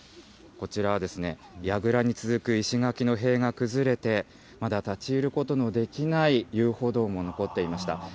こちらはですね、やぐらに続く石垣の塀が崩れて、まだ立ち入ることのできない遊歩道も残っていました。